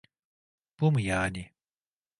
Bu mu yani?